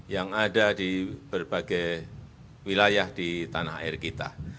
yang ada di berbagai wilayah di tanah air kita